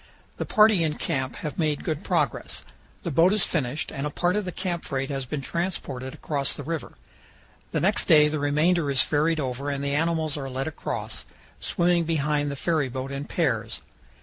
The party in camp have made good progress. The boat is finished and a part of the camp freight has been transported across the river. The next day the remainder is ferried over and the animals are led across, swimming behind the ferryboat in pairs.